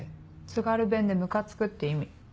津軽弁で「ムカつく」って意味。